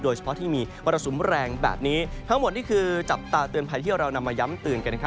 เฉพาะที่มีมรสุมแรงแบบนี้ทั้งหมดนี่คือจับตาเตือนภัยที่เรานำมาย้ำเตือนกัน